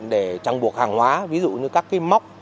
để trăng buộc hàng hóa ví dụ như các móc